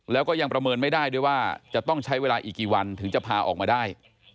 แล้วก็ยังประเมินไม่ได้ด้วยว่าจะต้องใช้เวลาอีกกี่วันถึงจะพาออกมาได้